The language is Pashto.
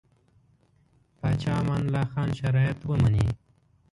پاچا امان الله خان شرایط ومني.